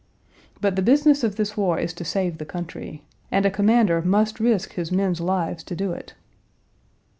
But the business of this war is to save the country, and a commander must risk his men's lives to do it.